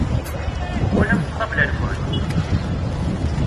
Twalamt ṭṭabla-nkent?